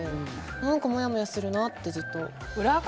何かもやもやするなってずっと。